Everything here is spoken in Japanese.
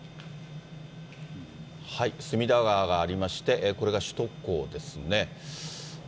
隅田川がありまして、これが首都高ですね。